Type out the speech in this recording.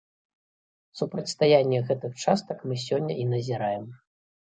Супрацьстаянне гэтых частак мы сёння і назіраем.